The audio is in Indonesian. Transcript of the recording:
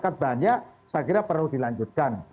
karena masyarakat banyak saya kira perlu dilanjutkan